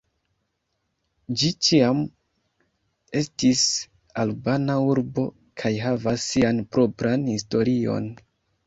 Ĝi ĉiam estis albana urbo kaj havas sian propran historion.